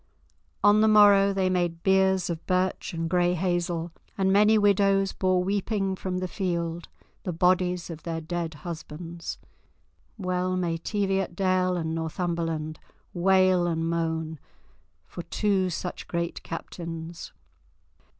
On the morrow they made biers of birch and grey hazel, and many widows bore weeping from the field the bodies of their dead husbands. Well may Teviotdale and Northumberland wail and moan for two such great captains.